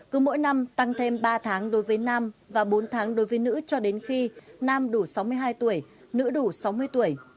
cứ mỗi năm tăng thêm ba tháng đối với nam và bốn tháng đối với nữ cho đến khi nam đủ sáu mươi hai tuổi nữ đủ sáu mươi tuổi